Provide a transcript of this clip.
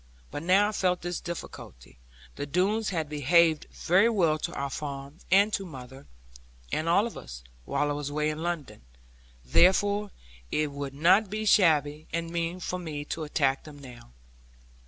But now I felt this difficulty the Doones had behaved very well to our farm, and to mother, and all of us, while I was away in London. Therefore, would it not be shabby, and mean, for me to attack them now?